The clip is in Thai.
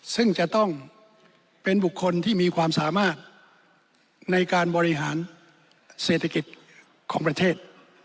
ซึ่งจะต้องเป็นบุคคลที่มีความสามารถในการบริหารเศรษฐกิจของประเทศ